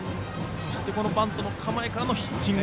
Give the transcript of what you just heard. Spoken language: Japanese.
バントの構えからのヒッティング。